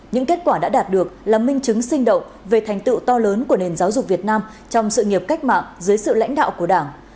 những kết quả đã đạt được là minh chứng sinh động về thành tựu to lớn của nền giáo dục việt nam trong sự nghiệp cách mạng dưới sự lãnh đạo của đảng